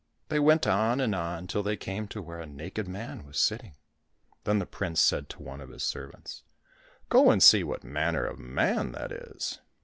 They went on and on till they came to where a naked man was sitting. Then the prince said to one of his servants, " Go and see what manner of man that is